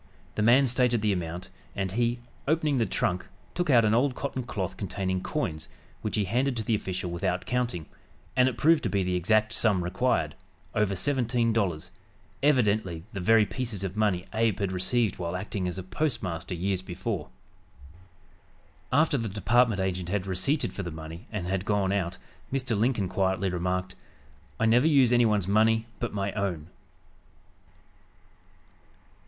The man stated the amount, and he, opening the trunk, took out an old cotton cloth containing coins, which he handed to the official without counting, and it proved to be the exact sum required, over seventeen dollars, evidently the very pieces of money Abe had received while acting as postmaster years before! After the department agent had receipted for the money and had gone out, Mr. Lincoln quietly remarked: "I never use anyone's money but my own."